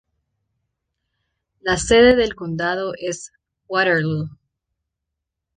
La sede del condado es Waterloo.